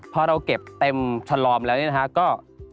พอเราเก็บเต็มฉลอมแล้วเนี่ยนะฮะก็